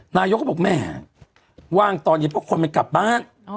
นายกก็บอกแม่ว่างตอนเย็นเพราะคนมันกลับบ้าน